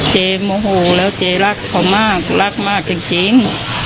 โมโหแล้วเจ๊รักเขามากรักมากจริง